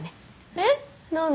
えっ？何で？